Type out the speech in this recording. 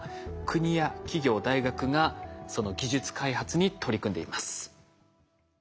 国や企業大学がその技術開発に取り組んでいます。